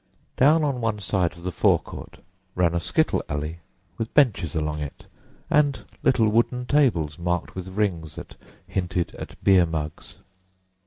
Down on one side of the forecourt ran a skittle alley, with benches along it and little wooden tables marked with rings that hinted at beer mugs.